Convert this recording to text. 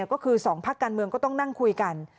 ก็คือ๒พักการเมืองก็ต้องนั่งคุยกัน